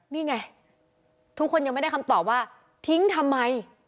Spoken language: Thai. นี่ไงทุกคนยังไม่ได้คำตอบว่าทิ้งทำไม